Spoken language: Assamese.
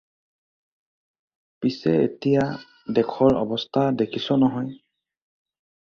পিছে এতিয়া দেশৰ অৱস্থা দেখিছ নহয়।